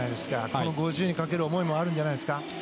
この５０ｍにかける思いもあるんじゃないですか。